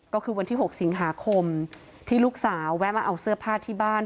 ก็คือวันที่๖สิงหาคมที่ลูกสาวแวะมาเอาเสื้อผ้าที่บ้าน